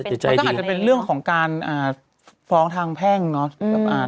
มันก็อาจจะเป็นเรื่องของการฟ้องทางแพ่งเนาะ